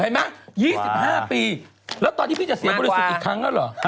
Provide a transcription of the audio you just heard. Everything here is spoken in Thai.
เห็นมั้ย๒๕ปีแล้วตอนที่พี่จะเสียบริษัทอีกครั้งแล้วเหรอ